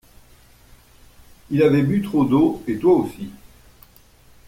Il avait bu trop d’eau et toi aussi.